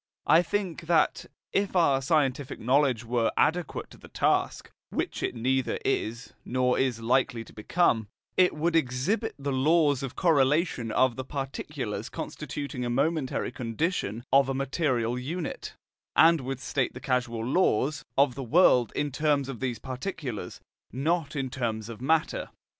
I think that, if our scientific knowledge were adequate to the task, which it neither is nor is likely to become, it would exhibit the laws of correlation of the particulars constituting a momentary condition of a material unit, and would state the causal laws* of the world in terms of these particulars, not in terms of matter.